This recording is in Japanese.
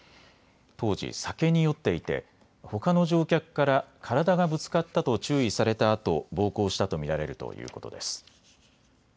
当時、酒に酔っていてほかの乗客から体がぶつかったと注意されたあと、暴行したと見られるということです。